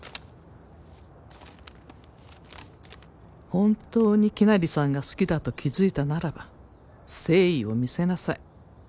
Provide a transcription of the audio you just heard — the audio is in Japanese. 「本当にきなりさんが好きだと気付いたならば誠意を見せなさい」